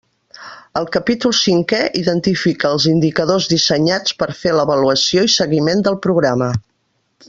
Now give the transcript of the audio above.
El capítol cinquè identifica els indicadors dissenyats per fer l'avaluació i seguiment del programa.